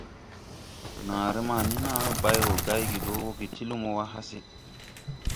Naaré ma ni naa la bay wo gay ge do woge ti lumo wa hase.